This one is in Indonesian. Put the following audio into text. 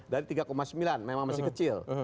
dari tiga sembilan memang masih kecil